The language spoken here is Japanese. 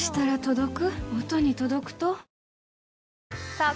さあ